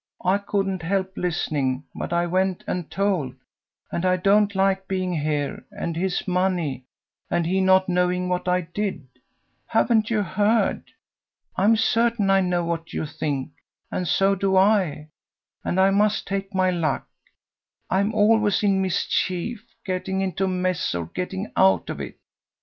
"I couldn't help listening, but I went and told; and I don't like being here, and his money, and he not knowing what I did. Haven't you heard? I'm certain I know what you think, and so do I, and I must take my luck. I'm always in mischief, getting into a mess or getting out of it.